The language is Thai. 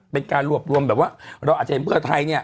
เป็นการรวบรวมแบบว่าเราอาจจะเห็นเพื่อไทยเนี่ย